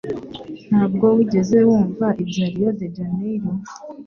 Ntabwo wigeze wumva ibya Rio de Janeiro?